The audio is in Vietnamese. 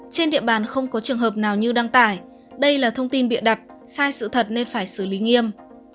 trên địa bàn không có trường hợp nào như đăng tải đây là thông tin bịa đặt sai sự thật nên phải xử lý nghiêm